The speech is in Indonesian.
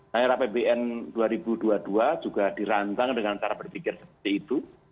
nah era apbn dua ribu dua puluh dua juga dirancang dengan cara berpikir seperti itu